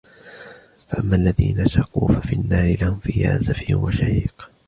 فأما الذين شقوا ففي النار لهم فيها زفير وشهيق